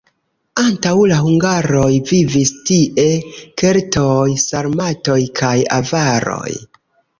Antaŭ la hungaroj vivis tie keltoj, sarmatoj kaj avaroj.